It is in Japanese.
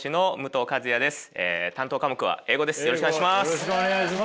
よろしくお願いします。